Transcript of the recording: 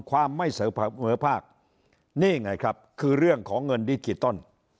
ความไม่เสมอภาคนี่ไงครับคือเรื่องของเงินดิจิตอล